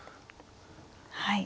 はい。